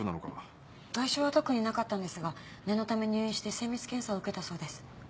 外傷は特になかったんですが念のため入院して精密検査を受けたそうです。